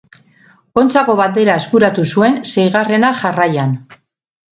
Kontxako Bandera eskuratu zuen, seigarrena jarraian.